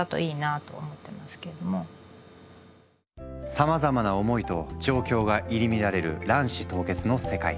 さまざまな思いと状況が入り乱れる卵子凍結の世界。